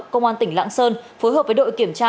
công an tỉnh lạng sơn phối hợp với đội kiểm tra